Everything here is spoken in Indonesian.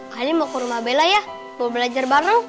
kalian mau ke rumah bella ya mau belajar bareng